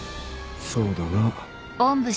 そうだな。